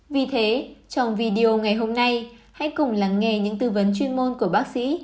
vì thế trong video ngày hôm nay hãy cùng lắng nghe những tư vấn chuyên môn của bác sĩ